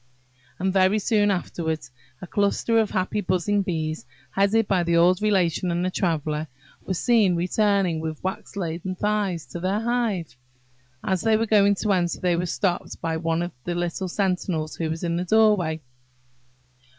And very soon afterwards a cluster of happy buzzing bees, headed by the old Relation and the Traveller, were seen returning with wax laden thighs to their hive. As they were going to enter, they were stopped by one of the little sentinels who watch the doorway.